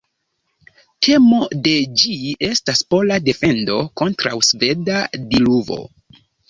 Temo de ĝi estas pola defendo kontraŭ sveda diluvo.